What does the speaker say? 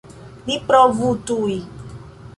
Ni provu tuj!